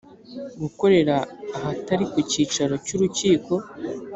gukorera ahatari ku cyicaro cy urukiko